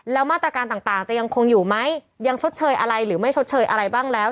แล้วมาตรการต่างจะยังคงอยู่ไหมยังชดเชยอะไรหรือไม่ชดเชยอะไรบ้างแล้ว